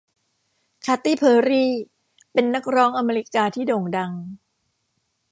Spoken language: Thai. คาตี้เพอร์รี่เป็นนักร้องอเมริกาที่โด่งดัง